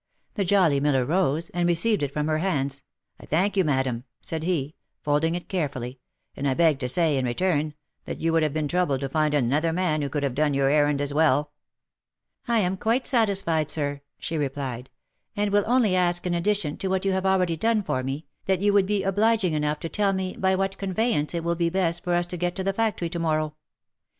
The jolly miller rose, and received it from her hands. " I thank you, madam," said he, folding it care fully, " and I beg to say, in return, that you would have been troubled to find another man who could have done your errand as well." " I am quite satisfied, sir," she replied, " and will only ask in addition to what you have already done for me, that you would be obliging enough to tell me by what conveyance it will be best for us to get to the factory to morrow